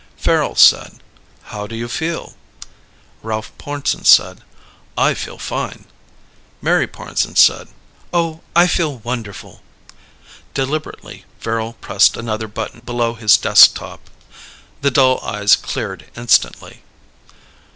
Farrel said, "How do you feel?" Ralph Pornsen said, "I feel fine." Mary Pornsen said, "Oh, I feel wonderful!" Deliberately Farrel pressed another button below his desk top. The dull eyes cleared instantly.